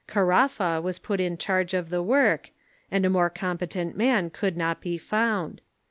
Caraffa was put in charge of the work, and a more competent man could not be found.